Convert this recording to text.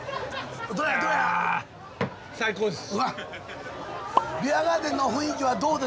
最高です。